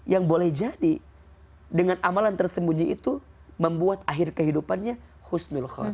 yang boleh jadi dengan amalan tersembunyi itu membuat akhir kehidupannya